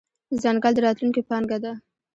ځنګل د راتلونکې پانګه ده.